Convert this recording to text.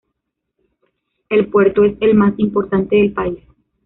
El puerto es el más importante del país.